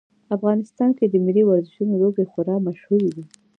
افغانستان کې د ملي ورزشونو لوبې خورا مشهورې دي